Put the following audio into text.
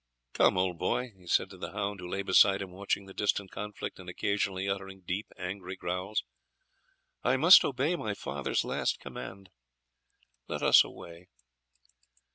"Come, old boy," he said to the hound, who lay beside him watching the distant conflict and occasionally uttering deep angry growls. "I must obey my father's last command; let us away."